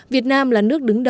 việt nam là nước đứng đầu